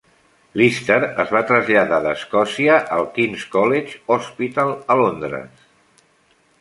Lister es va traslladar d'Escòcia al King's College Hospital, a Londres.